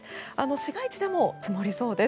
市街地でも積もりそうです。